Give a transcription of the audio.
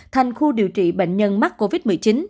thành khu điều trị bệnh nhân mắc covid một mươi chín